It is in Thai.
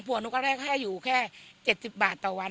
หนูก็ได้ค่าอยู่แค่๗๐บาทต่อวัน